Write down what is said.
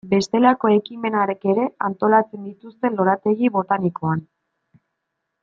Bestelako ekimenak ere antolatzen dituzte lorategi botanikoan.